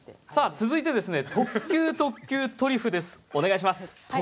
続いて「特級特急トリュフ」です。